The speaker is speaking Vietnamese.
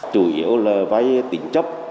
chủ yếu là vay tỉnh chấp